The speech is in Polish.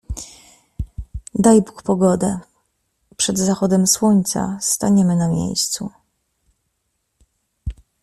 Daj Bóg pogodę, przed zachodem słońca staniemy na miejscu.